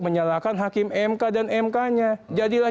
menyalahkan hakim mk dan mk nya jadilah